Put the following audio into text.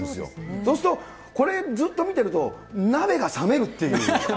そうすると、これ、ずっと見てると、鍋が冷めるっていう。